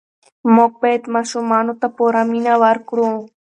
موږ باید ماشومانو ته پوره مینه ورکړو.